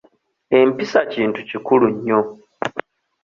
Empisa Kintu kikulu nnyo.